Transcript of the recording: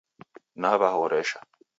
Nawahoresha.